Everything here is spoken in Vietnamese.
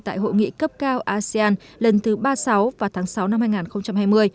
tại hội nghị cấp cao asean lần thứ ba mươi sáu vào tháng sáu năm hai nghìn hai mươi